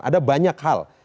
ada banyak hal